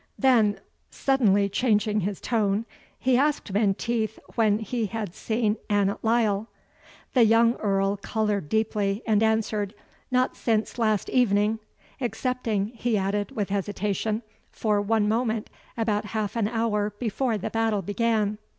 Then, suddenly changing his tone, he asked Menteith when he had seen Annot Lyle. The young Earl coloured deeply, and answered, "Not since last evening, excepting," he added, with hesitation, "for one moment, about half an hour before the battle began."